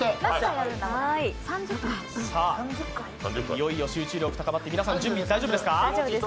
いよいよ集中力たまって、皆さん準備大丈夫ですか？